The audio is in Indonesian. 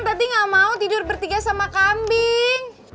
berarti gak mau tidur bertiga sama kambing